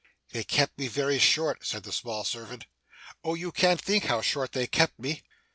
'They kept me very short,' said the small servant. 'Oh! you can't think how short they kept me!